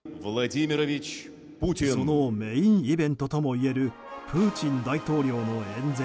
そのメインイベントともいえるプーチン大統領の演説。